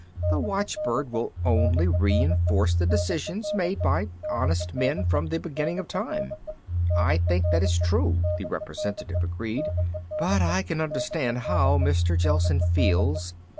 The watchbird will only reinforce the decisions made by honest men from the beginning of time." "I think that is true," the representative agreed. "But I can understand how Mr. Gelsen feels.